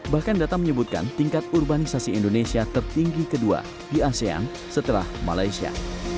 bahkan data menyebutkan tingkat urbanisasi indonesia tertinggi kedua di asean setelah malaysia